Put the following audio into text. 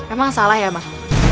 emang salah ya mak